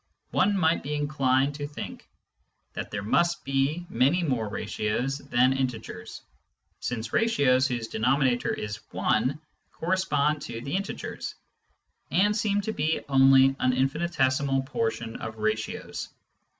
One might be inclined to think that there must be many more ratios than integers, since ratios whose denominator is i correspond to the integers, and seem to be only an infinitesimal proportion of ratios.